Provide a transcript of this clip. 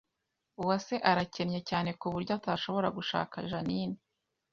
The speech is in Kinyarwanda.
Uwase arakennye cyane ku buryo atashobora gushaka Jeaninne